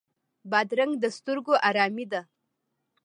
بادرنګ د سترګو آرامي ده.